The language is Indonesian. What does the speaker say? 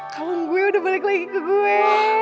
kawan gue udah balik lagi ke gue